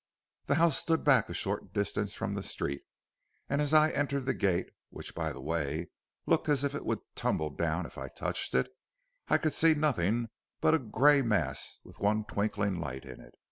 "The house stood back a short distance from the street, and as I entered the gate, which by the way looked as if it would tumble down if I touched it, I could see nothing but a gray mass with one twinkling light in it.